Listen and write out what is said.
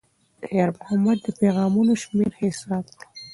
خیر محمد د پیغامونو شمېر حساب کړ.